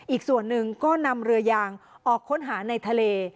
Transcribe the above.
อีกส่วนหนึ่งก็นำเรือยางออกค้นหาในทะเล